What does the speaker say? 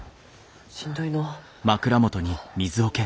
しんどいのう。